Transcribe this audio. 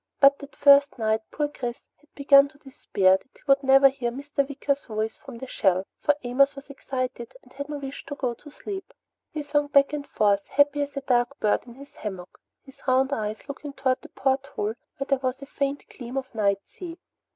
But that first night poor Chris had begun to despair that he would ever hear Mr. Wicker's voice from the shell, for Amos was excited and had no wish to go to sleep. He swung back and forth, happy as a dark bird in his hammock, his round eyes looking toward the porthole where there was a faint gleam of night sea.